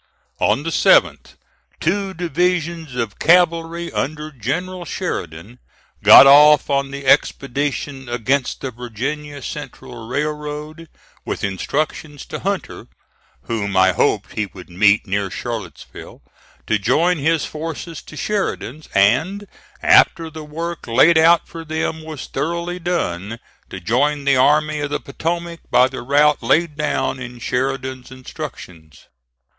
On the 7th, two divisions of cavalry, under General Sheridan, got off on the expedition against the Virginia Central Railroad, with instructions to Hunter, whom I hoped he would meet near Charlottesville, to join his forces to Sheridan's, and after the work laid out for them was thoroughly done, to join the Army of the Potomac by the route laid down in Sheridan's instructions.